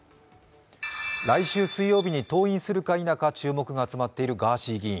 来週水曜日に登院するか否か注目が集まっているガーシー議員。